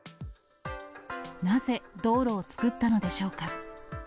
なぜ道路を造ったのでしょうか。